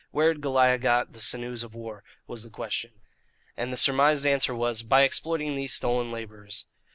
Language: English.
Where had Goliah got the sinews of war? was the question. And the surmised answer was: By exploiting these stolen labourers.